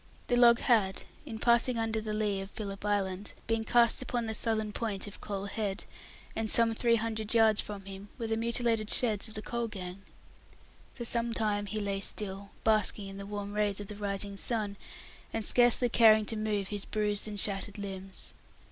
The log had, in passing under the lee of Philip's Island, been cast upon the southern point of Coal Head; some three hundred yards from him were the mutilated sheds of the coal gang. For some time he lay still, basking in the warm rays of the rising sun, and scarcely caring to move his bruised and shattered limbs.